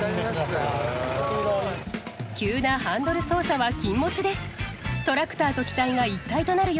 急なハンドル操作は禁物です。